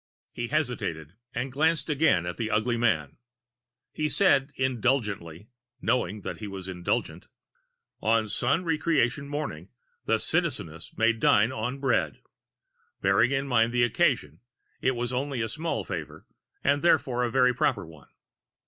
He hesitated and glanced again at the ugly man. He said indulgently, knowing that he was indulgent: "On Sun Re creation Morning, the Citizeness may dine on bread." Bearing in mind the occasion, it was only a small favor and therefore a very proper one.